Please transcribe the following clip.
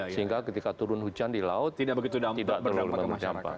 sehingga ketika turun hujan di laut tidak begitu berdampak ke masyarakat